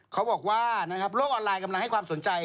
เขาบอกว่าโลกออนไลน์กำลังให้ความสนใจ